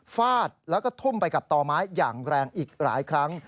ฟาดแล้วก็ทุ่มไปกับต่อไม้อย่างแรงอีกหลายครั้ง